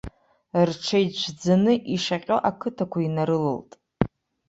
Рҽеицәӡаны ишаҟьо акыҭақәа инарылалт.